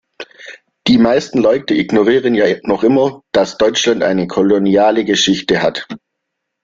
Die meisten Leute ignorieren ja noch immer, dass Deutschland eine koloniale Geschichte hat.